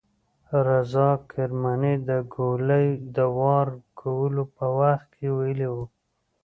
رضا کرماني د ګولۍ د وار کولو په وخت کې ویلي وو.